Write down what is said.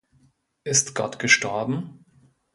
Ist Gott gestorben?